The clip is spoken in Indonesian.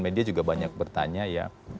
media juga banyak bertanya ya